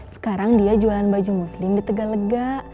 sekarang dia jualan baju muslim di tegak lega